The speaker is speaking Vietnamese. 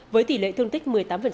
với tỷ lệ thương tích một mươi tám